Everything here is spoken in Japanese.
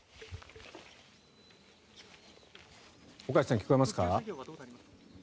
岡安さん、聞こえますか。